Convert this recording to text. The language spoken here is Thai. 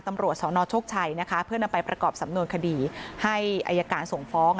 ตำรวจสนโชคชัยนะคะเพื่อนำไปประกอบสำนวนคดีให้อายการส่งฟ้อง